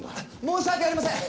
申し訳ありません！